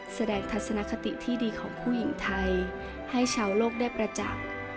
ทัศนคติที่ดีของผู้หญิงไทยให้ชาวโลกได้ประจักษ์